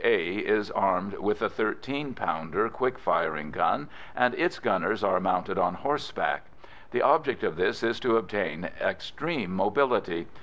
A. is armed with the 13 pounder quick firing gun, and its gunners are mounted on horseback. The object of this is to obtain extreme mobility.